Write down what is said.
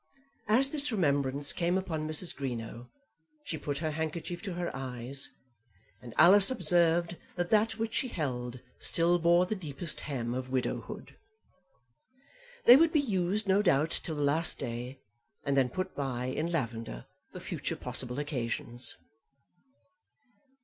As this remembrance came upon Mrs. Greenow she put her handkerchief to her eyes, and Alice observed that that which she held still bore the deepest hem of widowhood. They would be used, no doubt, till the last day, and then put by in lavender for future possible occasions.